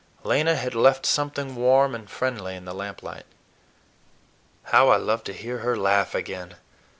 Lena had left something warm and friendly in the lamplight. How I loved to hear her laugh again!